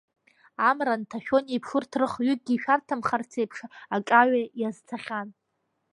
Амра нҭашәон еиԥш, урҭ рыхҩыкгьы ишәарҭамхартә еиԥш, аҿаҩа иазцахьан.